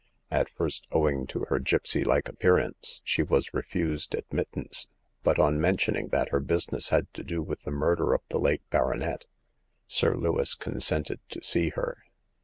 At first, owing to her gipsy like appearance, she was refused ad mittance ; but on mentioning that her business had to do with the murder of the late baronet. Sir Lewis consented to see her.